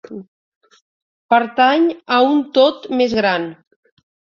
Pertany a un tot més gran